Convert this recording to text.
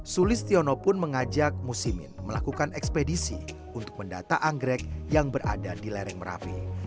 sulistiono pun mengajak musimin melakukan ekspedisi untuk mendata anggrek yang berada di lereng merapi